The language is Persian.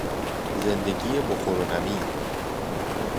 زندگی بخور و نمیر